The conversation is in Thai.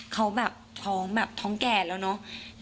เค้าแบบท้องแก่แล้วเนาะ